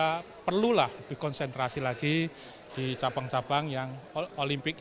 karena perlulah dikonsentrasi lagi di cabang cabang yang olimpik